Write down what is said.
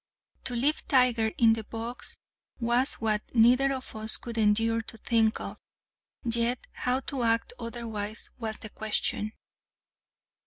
To leave Tiger in the box was what neither of us could endure to think of, yet, how to act otherwise was the question.